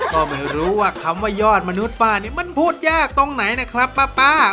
ก็ไม่รู้ว่าคำว่ายอดมนุษย์ป้านี่มันพูดยากตรงไหนนะครับป้า